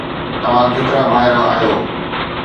توهان ڪيترا ڀائر آهيو